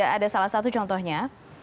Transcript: ada salah satu contohnya